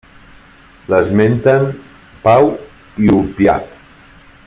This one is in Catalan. L'esmenten Pau i Ulpià.